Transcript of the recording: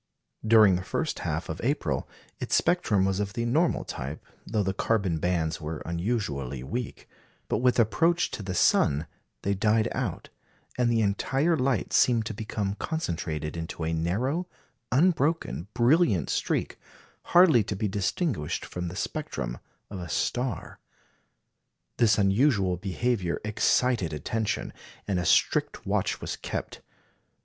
During the first half of April its spectrum was of the normal type, though the carbon bands were unusually weak; but with approach to the sun they died out, and the entire light seemed to become concentrated into a narrow, unbroken, brilliant streak, hardly to be distinguished from the spectrum of a star. This unusual behaviour excited attention, and a strict watch was kept.